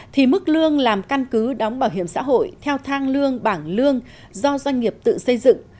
thì mức lương làm căn cứ đóng bảo hiểm xã hội theo thang lương bảng lương do doanh nghiệp tự xây dựng